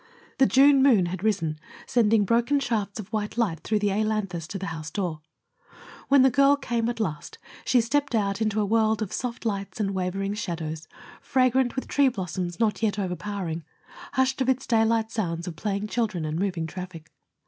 The June moon had risen, sending broken shafts of white light through the ailanthus to the house door. When the girl came at last, she stepped out into a world of soft lights and wavering shadows, fragrant with tree blossoms not yet overpowering, hushed of its daylight sounds of playing children and moving traffic.